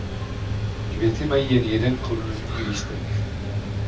Květy mají jen jeden korunní lístek.